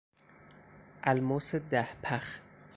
الماس ده پخ